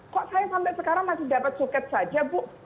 kok saya sampai sekarang masih dapat suket saja bu